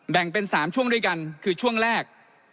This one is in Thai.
แบ่งเป็น๓ช่วงด้วยกันคือช่วงแรก